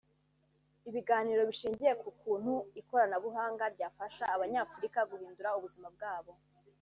ibiganiro bishingiye ku kuntu ikoranabuhanga ryafasha Abanyafurika guhindura ubuzima bwabo